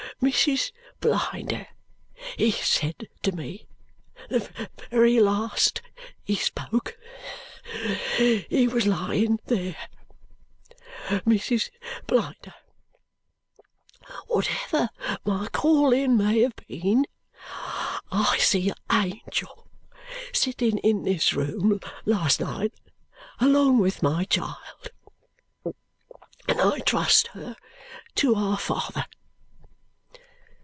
'Mrs. Blinder,' he said to me the very last he spoke he was lying there 'Mrs. Blinder, whatever my calling may have been, I see a angel sitting in this room last night along with my child, and I trust her to Our Father!'"